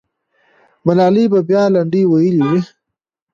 ملالۍ به بیا لنډۍ ویلې وې.